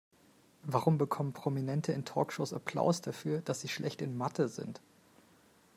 Warum bekommen Prominente in Talkshows Applaus dafür, dass sie schlecht in Mathe sind?